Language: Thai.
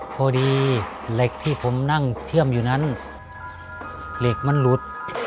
พอดีเหล็กที่ผมนั่งเชื่อมอยู่นั้นเหล็กมันหลุด